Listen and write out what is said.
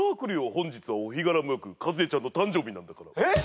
本日はお日柄も良くカズエちゃんの誕生日なんだからえっ？